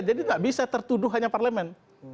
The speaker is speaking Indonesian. jadi nggak bisa tertuduh hanya parlemen